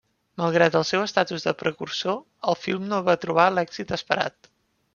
Malgrat el seu estatus de precursor, el film no va trobar l'èxit esperat.